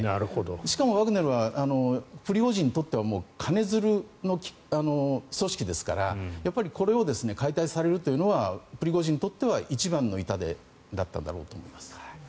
しかも、ワグネルはプリゴジンにとっては金づるの組織ですからやっぱりこれを解体されるというのはプリゴジンにとっては一番の痛手だったんだろうと思います。